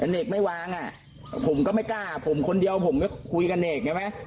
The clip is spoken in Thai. แต่เนกไม่วางอ่ะผมก็ไม่กล้าผมคนเดียวผมก็คุยกับเนกใช่ไหม